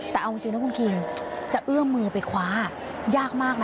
แต่เอาจริงนะคุณคิงจะเอื้อมมือไปคว้ายากมากนะ